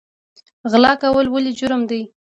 غلا کول ولې جرم دی؟